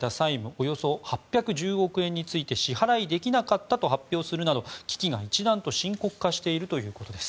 およそ８１０億円について支払いできなかったと発表するなど危機が一段と深刻化しているということです。